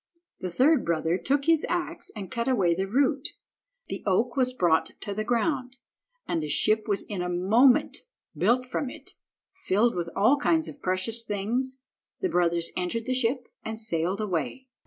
The third brother took his axe and cut away at the root. The oak was brought to the ground, and a ship was in a moment built from it, filled with all kinds of precious things. The brothers entered the ship and sailed away.